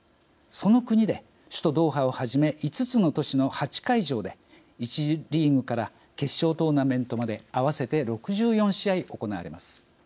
その国で首都ドーハをはじめ５つの都市の８会場で１次リーグから決勝トーナメントまで合わせて６４試合行われます。